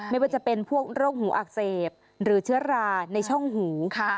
ไม่ว่าจะเป็นพวกโรคหูอักเสบหรือเชื้อราในช่องหู